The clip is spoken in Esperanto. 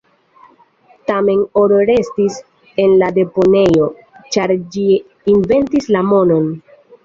Tamen, oro restis en la deponejo, ĉar ĝi "inventis" la monon.